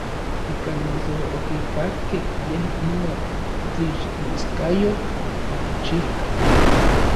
Ikan noso okikakkej yej inon tlixneskayotl okichijka.